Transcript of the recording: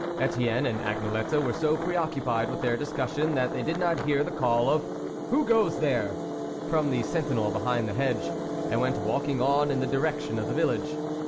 Etienne and Agnelette were so pre occupied with their discussion, that they did not hear the call of " Who goes there !" from the sentinel behind the hedge, and went walking on in the direc tion of the village.